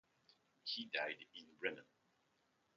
He died in Bremen.